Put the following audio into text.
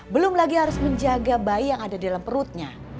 belum lagi harus menjaga bayi yang ada di dalam perutnya